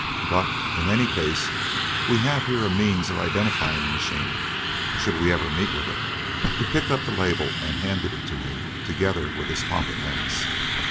But, in any case, we have here a means of identifying the machine, should we ever meet with it." He picked up the label and handed it to me, together with his pocket lens.